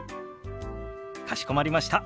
かしこまりました。